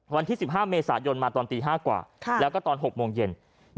วันที่๑๕เมษายนมาตอนตี๕กว่าแล้วก็ตอน๖โมงเย็น